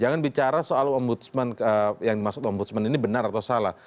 jangan bicara soal ombudsman yang dimaksud ombudsman ini benar atau salah